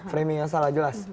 framing yang salah jelas